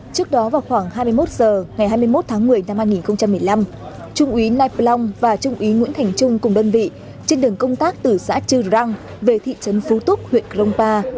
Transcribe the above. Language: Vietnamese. trước đó vào khoảng hai mươi một h ngày hai mươi một tháng một mươi năm hai nghìn một mươi năm trung ý nay plong và trung ý nguyễn thành trung cùng đơn vị trên đường công tác từ xã chư răng về thị trấn phú túc huyện crong pa